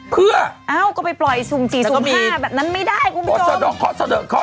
หกแสนนะคะ